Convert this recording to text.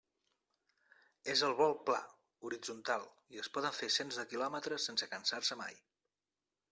És el vol pla, horitzontal, i es poden fer cents de quilòmetres sense cansar-se mai.